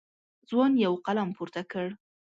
ځوان یو قلم پورته کړ.